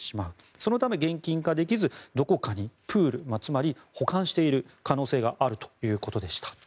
そのため、現金化できずどこかにプールつまり保管している可能性があるということでした。